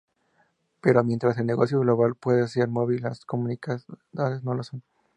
Pero mientras el negocio global puede que sea móvil, las comunidades no lo son.